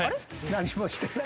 何もしてない。